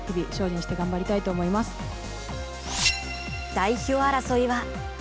代表争いは。